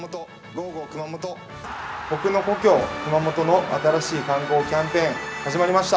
僕の故郷、熊本の新しい観光キャンペーン、始まりました。